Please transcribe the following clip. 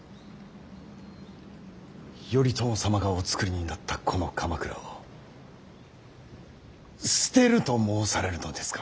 頼朝様がおつくりになったこの鎌倉を捨てると申されるのですか。